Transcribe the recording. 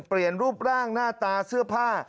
เปลี่ยนรูปร่างหน้าตาเสื้อผ้า